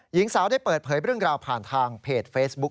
หญิงสาวได้เปิดเผยเรื่องราวผ่านทางเพจเฟซบุ๊ค